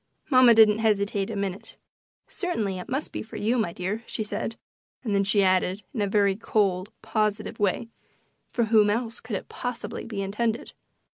Mamma didn't hesitate a minute. "Certainly it must be for you, my dear," she said, and then she added, in a very cold, positive way, "For whom else could it possibly be intended?"